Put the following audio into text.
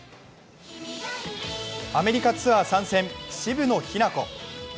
アメリカツアー参戦、渋野日向子。